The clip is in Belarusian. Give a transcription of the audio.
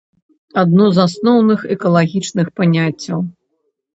Адно з асноўных экалагічных паняццяў.